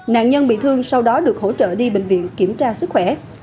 nạn nhân bị thương sau đó được hỗ trợ đi bệnh viện kiểm tra sức khỏe